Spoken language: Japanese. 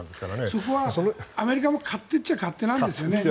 そこはアメリカも勝手と言っちゃ勝手なんですよね。